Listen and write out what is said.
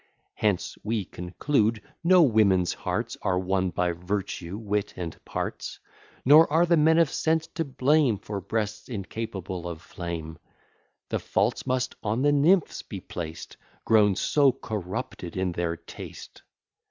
Hence we conclude, no women's hearts Are won by virtue, wit, and parts: Nor are the men of sense to blame, For breasts incapable of flame; The faults must on the nymphs be placed Grown so corrupted in their taste.